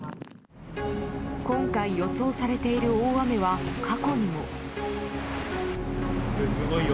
今回、予想されている大雨は過去にも。